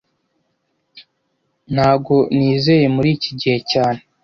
Ntago nizeye muri iki gihe cyane